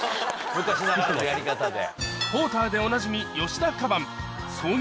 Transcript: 昔ながらのやり方で。